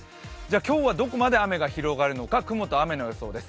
今日はどこまで雨が広がるのか、雲と雨の予想です。